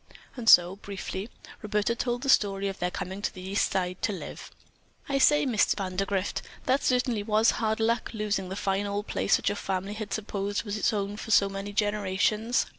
And so, briefly, Roberta told the story of their coming to the East Side to live. "I say, Miss Vandergrift, that certainly was hard luck, losing the fine old place that your family had supposed was its own for so many generations."